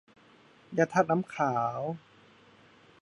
ยาธาตุน้ำขาว